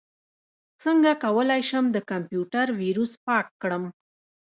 څنګه کولی شم د کمپیوټر ویروس پاک کړم